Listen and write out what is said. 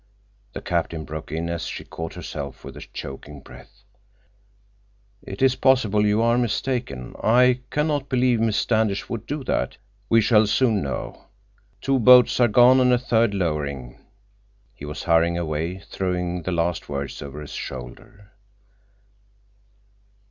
The captain broke in, as she caught herself with a choking breath: "It is possible you are mistaken. I can not believe Miss Standish would do that. We shall soon know. Two boats are gone, and a third lowering." He was hurrying away, throwing the last words over his shoulder.